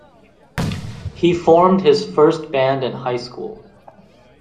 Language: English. He formed his first band in high school.